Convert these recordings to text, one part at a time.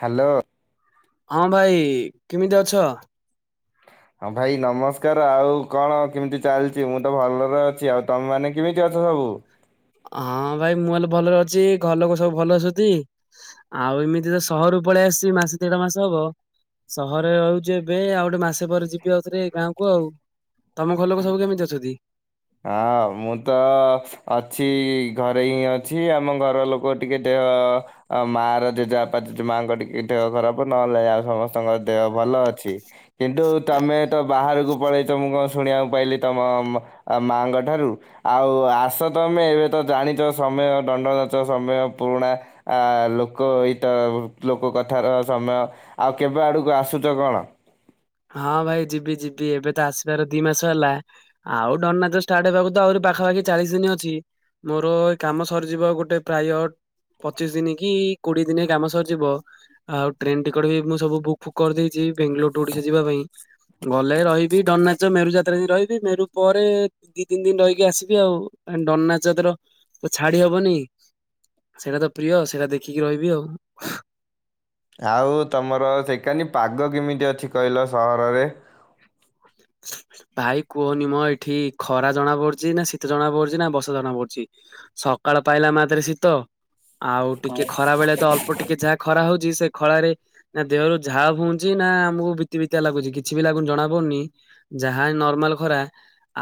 Hello ହଁ ଭାଇ କେମିତି ଅଛ? ହଁ ଭାଇ ନମସ୍କାର ଆଉ କଣ କେମିତି ଚାଲିଛି ମୁଁ ତ ଭଲରେ ଅଛି ଆଉ ତମ ମାନେ କେମିତି ଅଛ ସବୁ? ହଁ ଭାଇ ମୁଁ ହେଲେ ଭଲରେ ଅଛି ଘର ଲୋକ ସବୁ ଭଲରେ ଅଛନ୍ତି। ଆଉ ଏମିତି ତ ସହରରୁ ପଳେଇ ଆସିଛି ମାସେ ଦେଢ ମାସ ହବ। ସହରରେ ରହୁଛି ଏବେ ଆଉ ଗୋଟେ ମାସେ ପରେ ଯିବି ଆଉ ଥରେ ଗାଁକୁ ଆଉ। ତମ ଘର ଲୋକ ସବୁ କେମିତି ଅଛନ୍ତି? ହଁ ମୁଁ ତ ଅଛି ଘରେ ହିଁ ଅଛି ଆମ ଘର ଲୋକ ଟିକେ ଦେହ ଆ ମା ର ଜେଜେବାପା ଜେଜେ ମାଙ୍କ ଟିକେ ଦେହ ଖରାପ ନହେଲେ ଆଉ ସମସ୍ତଙ୍କ ଦେହ ଭଲ ଅଛି। କିନ୍ତୁ ତମେ ତ ବାହାରକୁ ପଳେଇ ଚ ମୁଁ କଣ ଶୁଣିବାକୁ ପାଇଲି ତମ ମାଆଙ୍କ ଠାରୁ। ଆଉ ଆସ ତମେ ଏବେ ତ ଜାଣିଛ ସମୟ ଦଣ୍ଡନାଚ ସମୟ ପୁରୁଣା। ଆ ଲୋକ ଏତ ଲୋକ କଥାର ସମୟ। ଆଉ କେବେ ଆଡକୁ ଆସୁଛ କଣ? ହଁ ଭାଇ ଯିବି ଯିବି ଏବେ ତ ଆସିବାର ଦି ମାସ ହେଲା। ଆଉ ଦଣ୍ଡନାଚ ଷ୍ଟାର୍ଟ ହେବାକୁ ତ ଆହୁରି ପାଖାପାଖି ଚାଳିଶ ଦିନ ଅଛି। ମୋର ଏ କାମ ସରିଯିବ ଗୋଟେ ପ୍ରାୟ ପଚିଶ ଦିନ କି କୋଡିଏ ଦିନ କାମ ସରିଯିବ। ଆଉ ଟ୍ରେନ ଟିକେଟ ବି ମୁଁ ସବୁ ବୁକ୍ କରିଦେଇଛି ବେଙ୍ଗାଲୋର ଟୁ ଓଡିଶା ଯିବା ପାଇଁ। ଗଲେ ରହିବି ଦଣ୍ଡନାଚ ମେରୁ ଯାତ୍ରା ଦିନ ରହିବି ମେରୁ ପରେ ଦି ତିନି ଦିନ ରହିକି ଆସିବି ଆଉ ଆହେଁ ଦଣ୍ଡନାଚ ତାର ଏ ଛାଡିହବନି। ସେଇଟା ତ ପ୍ରିୟ ଆଉ ସେଇଟା ଦେଖିକି ରହିବି ଆଉ। ଆଉ ତମର ସେକାନି ପାଗ କେମିତି ଅଛି କହିଲ ସହରରେ? ଭାଇ କୁହନିମ ଏଠି ଖରା ଜଣା ପଡୁଚି ନା ଶୀତ ଜଣା ପଡୁଚି ନା ବସା ଜଣା ପଡୁଚି ସକାଳ ପାଇଲା ମାତ୍ରେ ଶୀତ ଆଉ ଟିକେ ଖରା ବେଳେ ତ ଅଳ୍ପ ଟିକେ ଯାହା ଖରା ହୋଉଚି ସେ ଖଳାରେ ନା ଦେହରୁ ଝାଳ ଫୁଉଁଚି ନା ଆମକୁ ବିତି ବିତିଆ ଲାଗୁଚି କିଛି ବି ଲାଗୁନ ଜଣା ପଡନି ଯାହା ଏଇ ନର୍ମାଲ ଖରା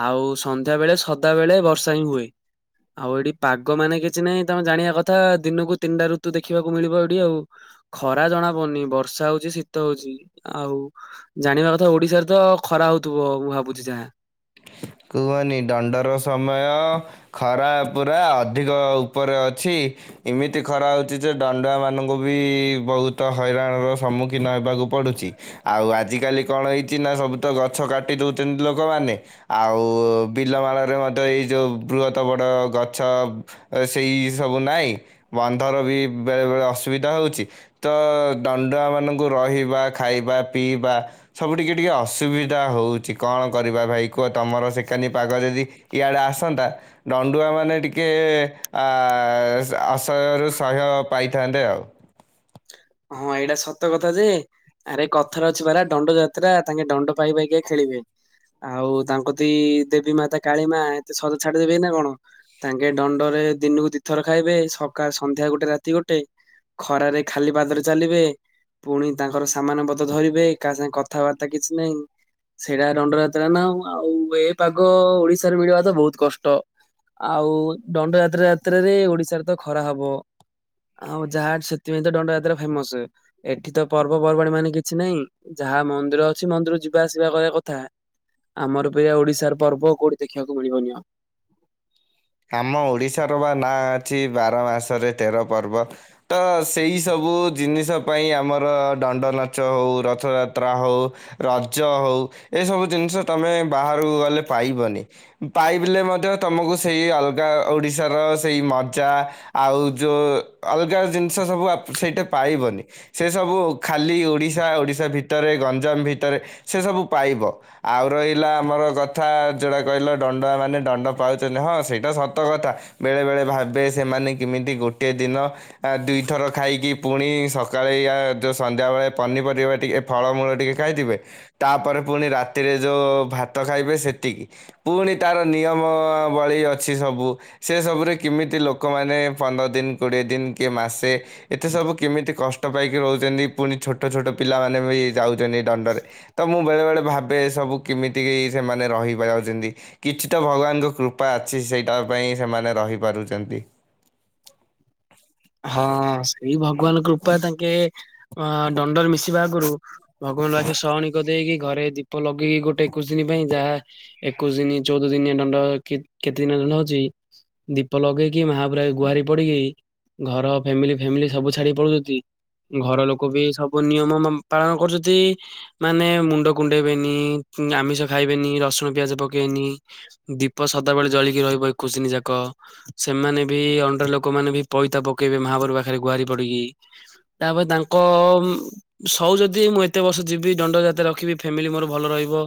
ଆଉ ସନ୍ଧ୍ୟାବେଳେ ସଦାବେଳେ ବର୍ଷା ହିଁ ହୁଏ। ଆଉ ଏଠି ପାଗ ମାନେ କିଛି ନାହିଁ ତମେ ଜାଣିବା କଥା ଦିନକୁ ତିନଟା ଋତୁ ଦେଖିବାକୁ ମିଳିବ ଏଠି ଆଉ। ଖରା ଜଣା ପଡୁନି ବର୍ଷା ହୋଉଚି ଶୀତ ହୋଉଚି ଆଉ ଜାଣିବା କଥା ଓଡିଶାରେ ତ ଖରା ହୋଉଥୁବ ମୁଁ ଭାବୁଚି ଯାହା। କୁହନି ଡଣ୍ଡର ସମୟ ଖରା ପୁରା ଅଧିକ ଉପରେ ଅଛି ଏମିତି ଖରା ହୋଉଚି ଯେ ଦାଣ୍ଡୁଆ ମାନଙ୍କୁ ବି ବୋହୁତ ହଇରାଣର ସମ୍ମୁଖୀନ ହେବାକୁ ପଡୁଚି। ଆଉ ଆଜିକାଲି କଣ ହେଇଚି ନା ସବୁ ତ ଗଛ କାଟି ଦୋଉଚନ୍ତି ଲୋକମାନେ ଆଉ ବିଲମାଳରେ ମଧ୍ୟ ଏଇ ଯୋଉ ବୃହତ ବଡ଼ ଗଛ ଅ ସେଇ ସବୁ ନାଇଁ ବନ୍ଧର ବି ବେଳେ ବେଳେ ଅସୁବିଧା ହୋଉଚି। ତ ଦଣ୍ଡୁଆ ମାନଙ୍କୁ ରହିବା, ଖାଇବା, ପିଇବା ସବୁ ଟିକେ ଟିକେ ଅସୁବିଧା ହୋଉଚି କଣ କରିବା ଭାଇ କୁହ ତମର ସେକାନି ପାଗ ଯଦି ଇଆଡ଼େ ଆସନ୍ତା ଦଣ୍ଡୁଆମାନେ ଟିକେ ଆ ଆ ଆସ ଆସହ୍ୟରୁ ସହ୍ୟ ପାଇଥାନ୍ତେ ଆଉ। ହଁ ଏଇଟା ସତ କଥା ଯେ ଆରେ କଥାରେ ଅଛି ପରା ଡଣ୍ଡ ଯାତ୍ରା ତାଙ୍କେ ଡଣ୍ଡ ପାଇ ପାଇକା ଖେଳିବେ। ଆଉ ତାଙ୍କ କତିକି ଦେବୀ ମାତା କାଳିମାଆ ଏତେ ସହଜରେ ଛାଡି ଦେବେନା କଣ। ତାଙ୍କେ ଦଣ୍ଡରେ ଦିନୁକୁ ଦି ଦିଥର ଖାଇବେ ସକା ସନ୍ଧ୍ୟା ଗୋଟେ ରାତି ଗୋଟେ ଖରାରେ ଖାଲି ପାଦରେ ଚାଲିବେ ପୁଣି ତାଙ୍କର ସାମାନ ପତ୍ର ଧରିବେ କାହା ସାଙ୍ଗେ କଥାବାର୍ତ୍ତା କିଛି ନାହିଁ ସେଇଟା ଦଣ୍ଡଯାତ୍ରା ନା ଆଉ ଏ ପାଗ ଓଡିଶାରେ ମିଳିବା ତ ବୋହୁତ କଷ୍ଟ। ଆଉ ଦଣ୍ଡ ଯାତ୍ରା ଯାତ୍ରାରେ ଓଡିଶାରେ ତ ଖରା ହବ। ଆଉ ଯାହାହେ ସେଥିପାଇଁ ତ ଦଣ୍ଡଯାତ୍ରା ଫେମସ। ଏଠି ତ ପର୍ବପର୍ବାଣୀ ମାନେ କିଛି ନାହିଁ ଯାହା ମନ୍ଦିର ଅଛି ମନ୍ଦିରକୁ ଯିବା ଆସିବା କରିବା କଥା। ଆମର ପରିକା ଓଡିଶାର ପର୍ବ କୋଉଠି ଦେଖିବାକୁ ମିଳିବନି ଆଉ। ଆମ ଓଡ଼ିଶାର ପା ନାଁ ଅଛି ବାର ମାସରେ ତେର ପର୍ବ। ତ ସେଇ ସବୁ ଜିନିଷ ପାଇଁ ଆମର ଦଣ୍ଡନାଚ ହୋଉ ରଥଯାତ୍ରା ହୋଉ ରଜ ହୋଉ ଏସବୁ ଜିନଷ ତମେ ବାହାରକୁ ଗଲେ ପାଇବନି ପାଇବଲେ ମଧ୍ୟ ତମକୁ ସେଇ ଅଲଗା ଓଡିଶାର ସେଇ ମଜା ଆଉ ଯୋଉ ଅଲଗା ଜିନିଷ ସବୁ ଆପ୍ ସେଇଟା ପାଇବନି। ସେ ସବୁ ଖାଲି ଓଡ଼ିଶା ଓଡ଼ିଶା ଭିତରେ ଗଞ୍ଜାମ ଭିତରେ ସେ ସବୁ ପାଇବ ଆଉ ରହିଲା ଆମର କଥା ଯୋଉଟା କହିଲ ଡଣ୍ଡା ମାନେ ଡଣ୍ଡ ପାଉ ଚନ୍ତି ହଁ ସେଇଟା ସତ କଥା ବେଳେବେଳେ ଭାବେ ସେମାନେ କେମିତି ଗୋଟେ ଦିନ ଆ ଦୁଇଥର ଖାଇକି ପୁଣି ସକାଳେ ୟା ଯୋଉ ସନ୍ଧ୍ୟାବେଳେ ପନିପରିବା ଟିକେ ଏ ଫଳମୂଳ ଟିକେ ଖାଇଥିବେ ତାପରେ ପୁଣି ରାତିରେ ଯୋଉ ଭାତ ଖାଇବେ ସେତିକି। ପୁଣି ତାର ନିୟମ ବଳୀ ଅଛି ସବୁ ସେସବୁରେ କେମିତି ଲୋକମାନେ ଏ ପନ୍ଦର ଦିନ କୋଡ଼ିଏ ଦିନ କିଏ ମାସେ ଏତେ ସବୁ କେମିତି କଷ୍ଟ ପାଇକି ରହୁଚନ୍ତି ପୁଣି ଛୋଟ ଛୋଟ ପିଲାମାନେ ବି ଯାଉଚନ୍ତି ଦଣ୍ଡରେ ତ ମୁଁ ବେଳେବେଳେ ଭାବେ ଏସବୁ କେମିତି ଏଇ ସେମାନେ ରହିିବା ଯାଉଚନ୍ତି କିଛି ତ ଭଗବାନଙ୍କ କୃ ପା ଅଛି ସେଇଟା ପାଇଁ ସେମାନେ ରହିପାରୁଚନ୍ତି। [inaudible] ହଁ ସେଇ ଭଗବାନ କୃପା ତାଙ୍କେ ଅ ଦଣ୍ଡରେ ମିଶିବା ଆଗରୁ ଭଗବାନଙ୍କ ପାଖେ ଶହଣୀ କରିଦେଇକି ଘରେ ଦୀପ ଲଗେଇକି ଗୋଟେ ଏକୋଇଶି ଦିନ ପାଇଁ ଯାହା ଏକୋଇଶ ଦିନି ଚଉଦ ଦିନି ଦଣ୍ଡ କେତ୍ କେତେ ଦିନ ଦଣ୍ଡ ଅଛି। ଦୀପ ଲଗେଇକି ମହାପ୍ରାୟ ଗୁହାରି ପଡିକି ଘର ଫ୍ୟାମିଲି ଫ୍ୟାମିଲି ସବୁ ଛାଡି ପଳଉଛନ୍ତି। ଘର ଲୋକ ବି ସବୁ ନିୟମ ମ ପାଳନ କରୁଛନ୍ତି। ମାନେ ମୁଣ୍ଡ କୁଣ୍ଡେଇବେନି ଆମିଷ ଖାଇବେନି ରସୁଣ ପିଆଜ ପକେଇବେନି। ଦୀପ ସଦାବେଳେ ଜଳିକି ରହିବ ଏକୋଇସିି ଦିନି ଯାକ ସେମାନେ ବି ଅ ଡ ଲୋକମାନେ ବି ପଇତା ପକେଇବେ ମହାପରୁ ପାଖରେ ଗୁହାରି ପଡିକି ତାପରେ ତାଙ୍କ ମ୍ ସଉ ଯଦି ମୁଁ ଏତେ ବର୍ଷ ଯିବି ଦଣ୍ଡ ଯାତରେ ରଖିବି ଫ୍ୟାମିଲି ମୋର ଭଲ ରହିବ।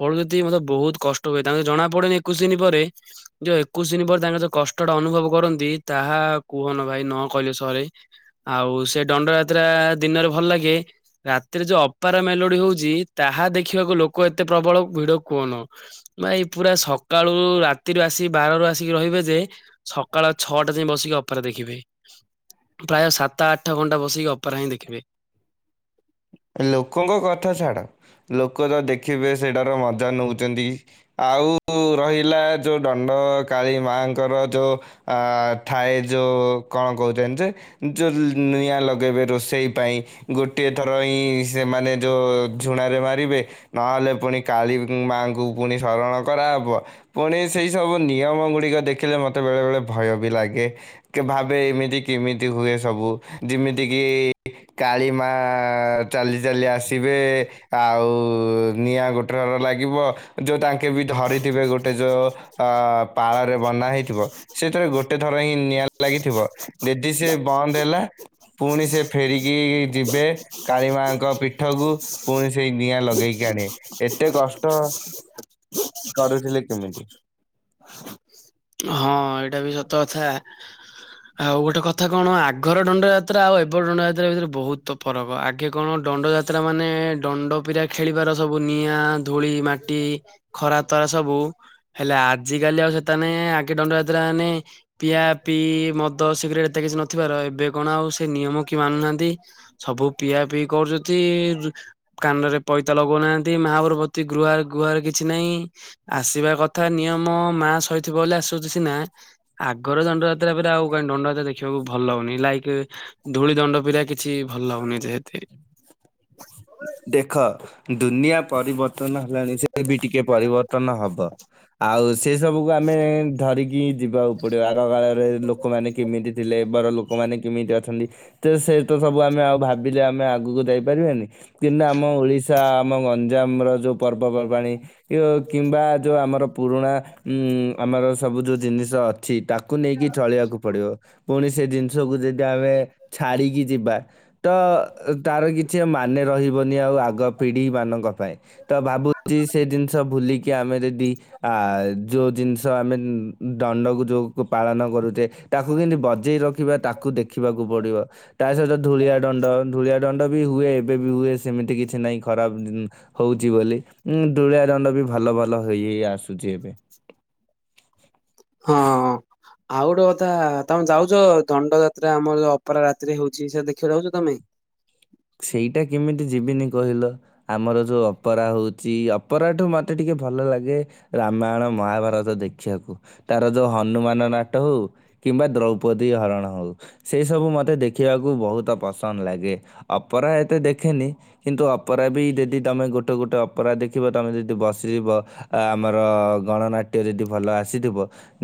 ପଳୁ ମୋତେ ବହୁତ କଷ୍ଟ ହୁଏ ତାଙ୍କୁ ଜଣା ପଡେନି ଏକୋଇଶ ଦିନ ପରେ ଯୋଉ ଏକୋଇଶ ଦିନ ପରେ ତାଙ୍କର ଯୋଉ କଷ୍ଟଟା ଅନୁଭବ କରନ୍ତି। ତାହା କୁହନ ଭାଇ ନ କହିଲେ ସରେ। ଆଉ ସେ ଦଣ୍ଡ ଯାତ୍ରା ଦିନରେ ଭଲ ଲାଗେ। ରାତିରେ ଯୋଉ ଅପାର ମେଲୋଡି ହଉଛି ତାହା ଦେଖିବାକୁ ଲୋକ ଏତେ ପ୍ରବଳ ଭିଡ କୁହନ। ଭାଇ ପୁରା ସକାଳୁ ରାତିରୁ ଆସିକି ବାରରୁ ଆସିକି ରହିବେ ଯେ ସକାଳ ଛଅଟା ଯାଇ ବସିକି ଅପେରା ଦେଖିବେ ପ୍ରାୟ ସାତ ଆଠ ଘଣ୍ଟା ବସିକି ଅପେରା ହିଁ ଦେଖିବେ। ଲୋକଙ୍କ କଥା ଛାଡ ଲୋକ ତ ଦେଖିବେ ସେଇଟାର ମଜା ନଉଛନ୍ତି। ଆଉ ରହିଲା ଯେଉଁ ଦଣ୍ଡ କାଳୀ ମାଙ୍କର ଯୋଉଁ ଅ ଥାଏ ଯୋଉ କଣ କହୁଛନ୍ତି ଯେ? ଯେଉ ଲ୍ ନିଆଁ ଲଗେଇବେ ରୋଷେଇ ପାଇଁ ଗୋଟିଏ ଥର ହିଁ ସେମାନେ ଯୋଉଁ ଝୁଣାରେ ମାରିବେ। ନହେଲେ ପୁଣି କାଳୀ ମାଙ୍କୁ ପୁଣି ଶରଣ କରାହେବ। ପୁଣି ସେଇ ସବୁ ନିୟମ ଗୁଡିକ ଦେଖିଲେ ମତେ ବେଳେ ବେଳେ ଭୟ ବି ଲାଗେ। ଭାବେ ଏମିତି କେମିତି ହୁଏ ସବୁ ଯେମିତି କିି କାଳିମା ଆ ଚାଲି ଚାଲି ଆସିବେ। ଆଉ ନିଆଁ ଗୋଟେର ଲାଗିବ ଯୋଉ ତାଙ୍କେ ବି ଧରିଥିବେ ଗୋଟେ ଯୋଉ ଆ ପାଳରେ ବନା ହେଇଥିବ ସେଥିରେ ଗୋଟେ ଥର ହିଁ ନିଆଁ ଲାଗିଥିବ। ଯେଦି ସିଏ ବନ୍ଦ ହେଲା ପୁଣି ସେ ଫେରିକି ଯିବେ। କାଳିମାଙ୍କ ପୀଠକୁ ପୁଣି ସେଇ ନିଆଁ ଲଗେଇକି ଆଣିବେ ଏତେ କଷ୍ଟ। କରୁଥିଲେ କେମିତି? ହଁ ଏଇଟା ବି ସତ କଥା। ଆଉ ଗୋଟେ କଥା କଣ ଆଗର ଦଣ୍ଡ ଯାତ୍ରା ଆଉ ଏବେର ଦଣ୍ଡ ଯାତ୍ରା ଭିତରେ ବହୁତ ତ ଫରକ ଆଗେ କଣ ଦଣ୍ଡଯାତ୍ରା ମାନେ ଦଣ୍ଡପିରା ଖେଳିବାର ସବୁ ନିଆଁ ଧୂଳି ମାଟି ଖରା ତରା ସବୁ ହେଲେ ଆଜିିକାଲି ଆଉ ସେଟା ନାଇଁ ଆଗେ ଦଣ୍ଡ ଯାତ୍ରା ହେନେ ପିଆ ପିଇ ମଦ ସିଗରେଟ ଏତେ କିଛି ନଥିବାର ଏବେ କଣ ଆଉ ସେ ନିୟମ କି ମାନୁନାହାନ୍ତି? ସବୁ ପିଆ ପିଇ କରୁଛନ୍ତି। କାନରେ ପଇତା ଲଗଉନାହାନ୍ତି ମହାଭରବତୀ ଗୃହା ଗୁହାରେ କିଛି ନାହିଁ। ଆସିବା କଥା ନିୟମ ମା ଶୋଇଥିବ ବୋଲି ଆସୁଛି ସିନା ଆଗର ଦଣ୍ଡ ଯାତ୍ରା ଅପେରା ଆଉ କାଇଁ ଦଣ୍ଡଯାତ୍ରା ଦେଖିବାକୁ ଭଲ ଲାଗୁନି ଲାଇକ୍ ଧୂଳି ଦଣ୍ଡ ପିିରା କିଛି ଭଲ ଲାଗୁନି ଯେହେତି ଦେଖ ଦୁନିଆ ପରିବର୍ତ୍ତ ତନ ହେଲାଣି ସେ ବି ଟିକେ ପରିବର୍ତ୍ତନ ହବ। ଆଉ ସେ ସବୁକୁ ଆମେ ଧରିକି ଯିବାକୁ ପଡିବ ଆଗ କାଳରେ ଲୋକମାନେ କେମିତି ଥିଲେ ଏବେର ଲୋକ୍ ଲୋକମାନେ କେମିତି ଅଛନ୍ତି ତ ସେ ତ ସବୁ ଆମେ ଆଉ ଭାବିଲେ ଆମେ ଆଗକୁ ଯାଇପାରିବାନି। କିମ୍ତି ଆମ ଓଡ଼ିଶା ଆମ ଗଞ୍ଜାମର ଯୋଉ ପର୍ବପର୍ବାଣି କିଓ କିମ୍ବା ଯେଉଁ ଆମର ପୁରୁଣା ଉଁ ଆମର ସବୁ ଯେଉଁ ଜିନିଷ ଅ ଅଛି ତାକୁ ନେଇକି ଚଳିବାକୁ ପଡିବ ପୁଣି ସେ ଜିନିଷକୁ ଯଦି ଆମେ ଛାଡ଼ିକି ଯିବା। ତ ତାର କିଛି ଆଉ ମାନେ ରହିବନି ଆଉ ଆଗ ପିଢି ମାନଙ୍କ ପାଇଁ। ତ ଭାବୁଛି ସେ ଜିନିଷ ଭୁଲିକି ଆମେ ଯଦି ଆ ଯୋଉ ଜିନିଷ ଆମେ ମ୍ ଦଣ୍ଡକୁ ଯୋଉ ପାଳନ କରୁଛେ ତାକୁ କେମିତି ବଜେଇ ରଖିବା ତାକୁ ଦେଖିବାକୁ ପଡ଼ିବ। ତା ସହିତ ଧୂଳିଆ ଦଣ୍ଡ ଧୂଳିଆ ଦଣ୍ଡ ବି ହୁଏ ଏବେ ବି ହୁ ସେମିତି କିଛି ନାହିଁ ଖରାପ ହଉଛି ବୋଲି ଉ ଧୂଳିଆ ଦଣ୍ଡ ବି ଭଲ ଭଲ ହେଇ ହେଇ ଆସୁଛି ଏବେ। ହଁ। ଆଉ ଗୋଟେ କଥା ତମେ ଯାଉଛ ଦଣ୍ଡ ଯାତ୍ରା ଆମର ଯୋଉ ଅପରା ରାତିରେ ହଉଛି ସେ ଦେଖିବାକୁ ଯାଉଛ ତମେ? ସେଇଟା କେମିତି ଯିବିନି କହିଲ? ଆମର ଯୋଉ ଅପରା ହଉଛି ଅପରାଠୁ ମତେ ଟିକେ ଭଲ ଲାଗେ ରାମାୟଣ ମହାଭାରତ ଦେଖିବାକୁ ତାର ଯୋଉ ହନୁମାନ ନାଟ ହଉ କିମ୍ବା ଦ୍ରୌପଦୀ ହରଣ ହଉ ସେଇ ସବୁ ମତେ ଦେଖିବାକୁ ବହୁତ ପସନ୍ଦ ଲାଗେ। ଅପରା ଏତେ ଦେଖେନି। କିନ୍ତୁ ଅପରା ବି ଯଦି ତମେ ଗୋଟେ ଗୋଟେ ଅପରା ଦେଖିବ ତମେ ଯଦି ବସିବ ଆମର ଗଣନାଟ୍ୟ ଯଦି ଭଲ ଆସିଥିବ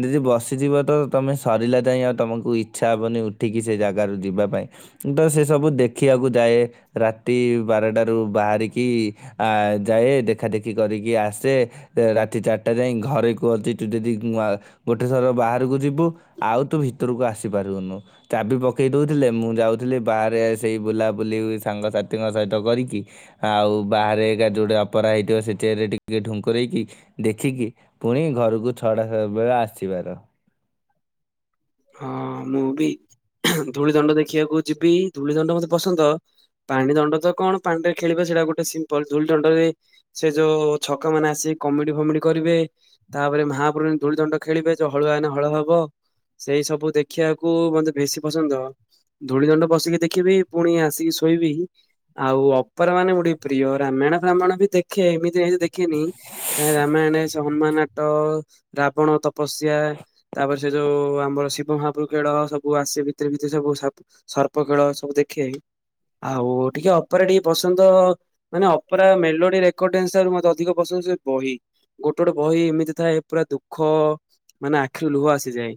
ଯଦି ବସିଯିବ ତ ତମେ ସରିଲା ଯାଏ ଆଉ ତମକୁ ଇଚ୍ଛା ହବନି ଉଠିକି ସେ ଜାଗାରୁ ଯିବା ପାଇଁ। ତ ସେ ସବୁ ଦେଖିବାକୁ ଯାଏ ରାତି ବାରଟାରୁ ବାହାରିକି ଆଯାଏ ଦେଖା ଦେଖି କରିକି ଆସେ। ରାତି ଚାରିଟା ଯାଏ ଘରେ କୁ ଅଛି ତୁ ଯଦି ଆ ଗୋଟେ ଥର ବାହାରକୁ ଯିବୁ ଆଉ ତୁ ଭିତରକୁ ଆସି ପାରିବୁନୁ। ଚାବି ପକେଇ ଦେଉଥିଲେ ମୁଁ ଯାଉଥିଲି ବାହାରେ ସେଇ ବୁଲାବୁଲି ସାଙ୍ଗସାଥିଙ୍କ ସହିତ କରିକି ଆଉ ବାହାରେ ଏକା ଯଉଟା ଅପରା ହେଇଥିବ ସେଠି ହେଲେ ଟିକେ ଠୁଙ୍କୁରେଇକି ଦେଖିକି ପୁଣି ଘରକୁ ଛଅଟା ବେଳେ ଆସିବାର। ହଁ ମୁଁ ବି ଧୂଳି ଦଣ୍ଡ ଦେଖିବାକୁ ଯିବି ଧୂଳି ଦଣ୍ଡ ମତେ ପସନ୍ଦ ପାଣି ଦଣ୍ଡ ତ କଣ ପାଣିରେ ଖେଳିବା ସେଟା ଗୋଟେ ସିମ୍ପଲ ଧୂଳି ଦଣ୍ଡରେ ସେ ଯୋଉ ଛକା ମାନେ ଆସିିକି କମେଡି ଫମେଡି କରିବେ ତାପରେ ମହାପ୍ରଭୁ ଦୋଳି ଦଣ୍ଡ ଖେଳିବେ ହଳୁଆ ଏନେ ହଳ ହବ ସେଇ ସବୁ ଦେଖିବାକୁ ମତେ ବେଶୀ ପସନ୍ଦ। ଧୂଳି ଦଣ୍ଡ ବସିକି ଦେଖିବି ପୁଣି ଆସିକି ଶୋଇବି ଆଉ ଅପର ମାନେ ଗୋଟେ ପ୍ରିୟ ରାମାୟଣ ଫ୍ରାମାୟଣ ବି ଦେଖେ ଏମିତି ହେଲେ ଦେଖେନି ତା ରାମାୟଣ ହନୁମାନ ତ ରାବଣ ତପସ୍ୟା ତାପରେ ସେ ଯୋଉଆମ୍ ଆମର ଶିବ ମହାପ୍ରଭୁଖେଳ ସବୁ ଆସେ ଭିତରେ ଭିତରେ ସବୁ ସର୍ପ ଖେଳ ସବୁ ଦେଖି ଆଇ ଆଉ ଟିକେ ଅପରା ଟିକେ ପସନ୍ଦ ମାନେ ଅପରା ମେଲୋଡି ରେକଡ ଡ୍ୟାସ୍ନ ମତେ ଅଧିକ ପସନ୍ଦ ସେ ବହି ଗୋଟେ ଗୋଟେ ବହି ଏମିତି ଥାଏ ପୁରା ଦୁଃଖ ମାନେ ଆଖିରୁ ଲୁହ ଆସିଯାଏ।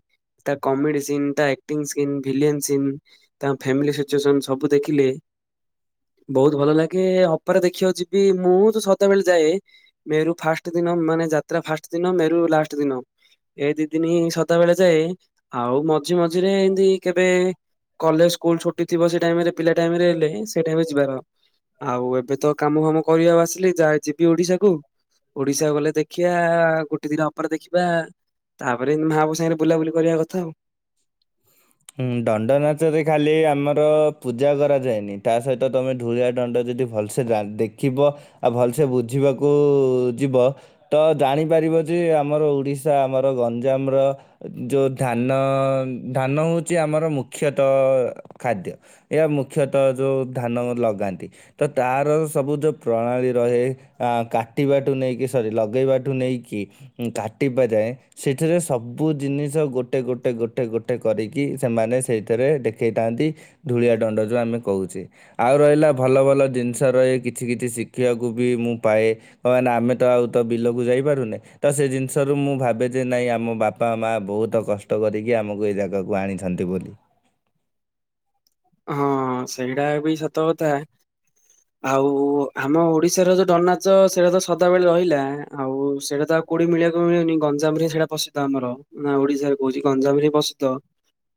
ତା କମେଡି ସିନ୍ ତା ଆକ୍ଟିଂ ସିନ୍ ଭିଲିୟନ ସିନ୍ ତାଙ୍କ ଫ୍ୟାମିଲି ସିଚୁଏସନ୍ ସବୁ ଦେଖିଲେ ବହୁତ ଭଲ ଲାଗେ ଅପରେ ଦେଖିବାକୁ ଯିବି ମୁଁ ତ ସଦାବେଳେ ଯାଏ ମେରୁ ଫାର୍ଷ୍ଟ ଦିନ ମାନେ ଯା ତ୍ରା ଫାଷ୍ଟ ଦିନ ମେରୁ ଲାଷ୍ଟ ଦିନ ଏ ଦି ଦିନି ସଦାବେଳେ ଯାଏ ଆଉ ମଝି ମଝିରେ ଏମତି କେବେ। କଲେଜ ସ୍କୁଲ ଛୁଟି ଥିବ ସେ ଟାଇମ ରେ ପିଲା ଟାଇମ ହେଲେ ସେଇଟା ବି ଯିବାର ଆଉ ଏବେ ତ କାମ ଫାମ କରିକି ଆସିଲି ଯାହା ଯିବି ଓଡିଶା କୁ ଓଡିଶା ଗଲେ ଦେଖିବା ଗୋଟେ ଦିନ ଅପେରା ଦେଖିବା ତାପରେ ମା ବୋଉ ସାଙ୍ଗରେ ବୁଲାବୁଲି କରିବା କଥା ଆଉ। ହୁଁ ଦଣ୍ଡ ନାଚରେ ଖାଲି ଆମର ପୂଜା କରାଯାଏନି ତା ସହିତ ତମେ ଧୂଳିଆ ଦଣ୍ଡ ଯଦି ଭଲ ସେ ଦେଖିବ ଆଉ ଭଲସେ ବୁଝିବାକୁ ଯିବ ତ ଜାଣିପାରିବ ଯେ ଆମର ଓଡିଶା ଆମର ଗଞ୍ଜାମର ଯେଉଁ ଧାନ ଧାନ ହେଉଛି ଆମର ମୁଖ୍ୟତଃ ଖାଦ୍ୟ। ଏହା ମୁଖ୍ୟତଃ ଯୋଉ ଧାନ ଲଗାନ୍ତି ତ ତାର ସବୁ ଯୋଉ ପ୍ରଣାଳୀ ରହେ। ହଁ କାଟିବା ଠୁ ନେଇକି ସରି ଲଗେଇବା ଠୁ ନେଇକି। କାଟିବା ଯାଏଁ ସେଥିିରେ ସବୁ ଜିନିଷ ଗୋଟେ ଗୋଟେ ଗୋଟେ ଗୋଟେ କରିକି। କି ସେମାନେ ସେଇଥିରେ ଦେଖେଇ ଥାନ୍ତି ଧୂଳିଆ ଦଣ୍ଡ ଯୋଉ ଆମେ କହୁଛେ। ଆଉ ରହିଲା ଭଲ ଭଲ ଜିନିଷ ରହେ କିଛି କିଛି ଶିଖିବାକୁ ବି ମୁଁ ପାଏ। କାଇଁ ନା ଆମେ ତ ଆଉ ତ ବିଲକୁ ଯାଇ ପାରୁନେ। ତ ସେ ଜିନିଷ ରୁ ମୁଁ ଭାବେ ଯେ ନାଇଁ ଆମ ବାପା ମା ବହୁତ କଷ୍ଟ କରିକି ଆମକୁ ଏଇ ଜାଗା କୁ। କୁ ଆଣିଛନ୍ତି ବୋଲି। ହଁ ସେଇଟା ବି ସତ କଥା। ହ ଆଉ ଆମ ଓଡିଶାର ଯୋଉ ଦଣ୍ଡ ନାଚ ସେଇଟା ତ ସଦାବେଳେ ରହିଲା ଆଉ ସେଇଟା ତ। କୋଉଠି ମିଳେ କି ମିଳେନି ଗଞ୍ଜାମରେ ସେଇଟା ପ୍ରସିଦ୍ଧ ଆମର ନା ଓଡିଶା ରେ କହୁଛି ଗଞାମ ରେ ପ୍ରସିଦ୍ଧ।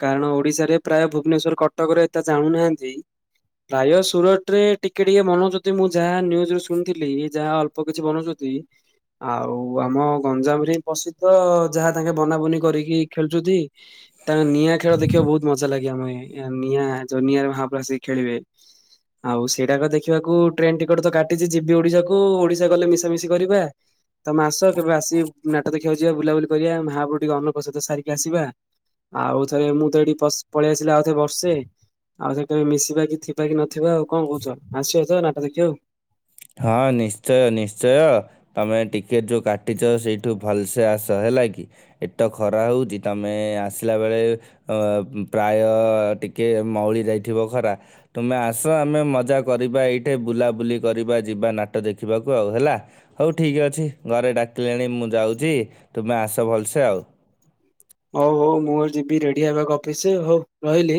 କାରଣ ଓଡିଶାରେ ପ୍ରାୟ ଭୁବନେଶ୍ଵର କଟକ ରେ ଏତେ ଜାଣୁ ନାହାନ୍ତି। ପ୍ରାୟ ସୁରଟ ରେ ଟିକେ ଟିକେ ମନ ଯଦି ମୁଁ ଯାହା ନ୍ୟୁଜ ରୁ ଶୁଣିଥିଲି ଯାହା ଅଳ ଅଳ୍ପ କିଛି ବନଉଛନ୍ତି। ଆଉ ଆମ ଗଞ୍ଜାମରେ ହିଁ ପ୍ରସିଦ୍ଧ ଯାହା ତାଙ୍କେ ବନା ବୁନି କରିକି ଖେଳୁଛନ୍ତି। ତାଙ୍କ ନିଆଁ ଖେଳ ଦେଖିବ ବହୁତ ମଜା ଲାଗେ ଆମେ ନିଆଁ ଯୋଉ ନିଆଁରେ ମହାପ୍ରଭୁ କହିକି ଖେଳିବେ। ଆଉ ସେଇଟାକ ଦେଖିବାକୁ ଟ୍ରେନ ଟିକେଟ ତ କାଟିଛି ଯିବି ଓଡିଶାକୁ ଓଡିଶା ଗଲେ ମିଶାମିଶି କରିବା। ତମେ ଆସ କେବେ ଆସି ନାଟ ଦେଖିବାକୁ ଯିବା ବୁଲାବୁଲି କରିବା ମହାପ୍ରଭୁ ଟିକେ ଅନ୍ନ ପ୍ରସାଦ ସାରିକି ଆସିବା। ଆଉ ଥରେ ମୁଁ ତ ଏଠି ପସ ପଳେଇ ଆସିଲେ ଆଉଥରେ ବର୍ଷେ। ଆଉ ସେତେ ବେଳେ ମିଶିବା କି ଥିବା କି ନଥିବା ଆଉ କଣ କହୁଛ ଆସିବା ତ ନାଟ ଦେଖିବାକୁ। ହଁ ନିଶ୍ଚୟ ନିଶ୍ଚୟ। ତମେ ଟିକେଟ୍ ଯୋଉ କାଟିଛ ସେଇଠୁ ଭଲସେ ଆସ ହେଲା କି। ଏଠି ତ ଖରା ହଉଛି ତମେ ଆସିଲା ବେଳେ। ପ୍ରାୟ ଟିକେ ମଉଳି ଯାଇଥିବ ଖରା। ତୁମେ ଆସ ଆମେ ମଜା କରିବା ଏଇଠେ ବୁଲାବୁଲି କରିବା। ଯିବା ନାଟ ଦେଖିବାକୁ ଆଉ ହେଲା। ହଉ ଠିକ୍ ଅଛି ଘରେ ଡାକିଲେଣି ମୁଁ ଯାଉଛି ତୁମେ ଆସ ଭଲସେ ଆଉ। ହଉ ହଉ ମୁଁଉ ଯିବି ରେଡି ହେବାକୁ ଅଫିସ ହଉ ରହିଲି।